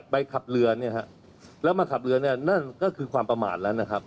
ใบขับเรือนี่ครับแล้วมาขับเรือนั่นก็คือความประมาทแล้วนะครับ